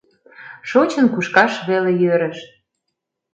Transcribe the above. Шочын-кушкаш веле йӧрыш.